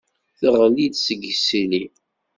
Teɣli-d seg yisili.